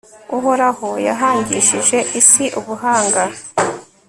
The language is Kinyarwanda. uhoraho yahangishije isi ubuhanga